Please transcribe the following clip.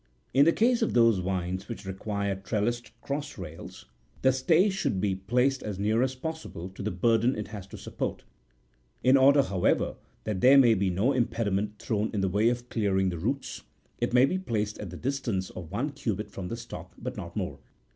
In the case of those vines which require trellissed cross rails, the stay should be placed as near as possible to the burden it has to support ; in order, however, that there may be no impediment thrown in the way of clearing the roots, it may be placed at the distance of one cubit from the stock, but not more.